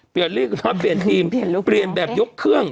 เปลี่ยนลูกน้องเปลี่ยนทีมเปลี่ยนลูกเปลี่ยนแบบยกเครื่อง